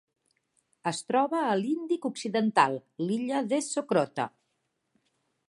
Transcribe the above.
Es troba a l'Índic occidental: l'illa de Socotra.